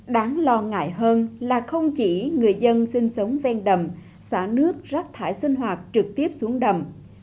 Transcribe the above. đáng lo ngại hơn là không chỉ người dân sinh sống ven đầm xả nước rác thải sinh hoạt trực tiếp xuống đầm